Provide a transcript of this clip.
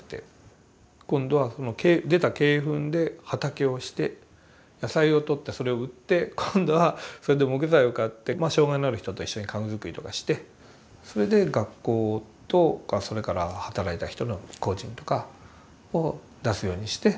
今度はその出た鶏ふんで畑をして野菜を取ってそれを売って今度はそれで木材を買って障害のある人と一緒に家具作りとかしてそれで学校とかそれから働いた人の工賃とかを出すようにして。